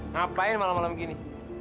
ngapain malam malam begini